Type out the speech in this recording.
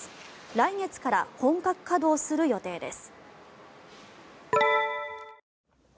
来月から本格稼働する予定です。